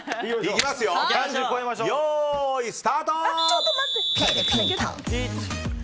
よーい、スタート！